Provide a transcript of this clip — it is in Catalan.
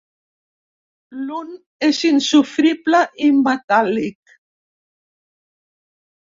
L'un és insofrible i metàl·lic.